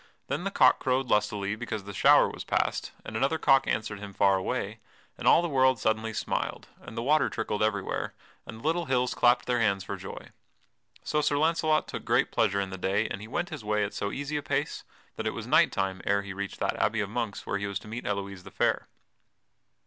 Then the cock crowed lustily because the shower was past, and another cock answered him far away, and all the world suddenly smiled, and the water trickled everywhere, and the little hills clapped their hands for joy. So Sir Launcelot took great pleasure in the day and he went his way at so easy a pace that it was night time ere he reached that abbey of monks where he was to meet Elouise the Fair.